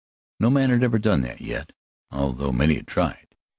No man ever had done that yet, although many had tried.